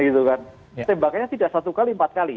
tembakannya tidak satu kali empat kali